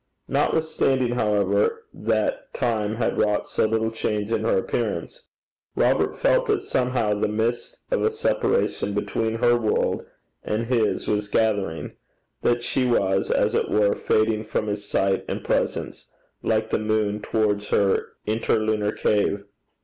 Notwithstanding, however, that time had wrought so little change in her appearance, Robert felt that somehow the mist of a separation between her world and his was gathering; that she was, as it were, fading from his sight and presence, like the moon towards 'her interlunar cave.'